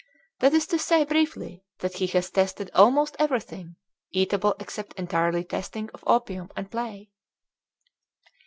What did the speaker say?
that is to say briefly that he has tested almost everything eatable except entirely testing of Opium and play.